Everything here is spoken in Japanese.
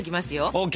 ＯＫ！